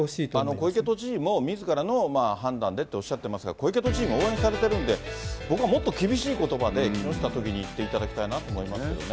小池都知事もみずからの判断でっておっしゃってますが、小池都知事も応援されてるんで、僕はもっと厳しいことばで、木下都議に言っていただきたいと思いますけどね。